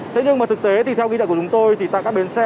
thế nhưng mà thực tế thì theo kỳ đại của chúng tôi thì tại các bến xe